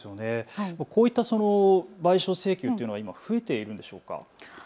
こういった賠償請求というのは今、増えているんでしょうか。